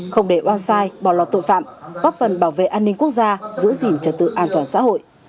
không để oan sai bỏ lọt tội phạm góp phần bảo vệ an ninh quốc gia giữ gìn trật tự an toàn xã hội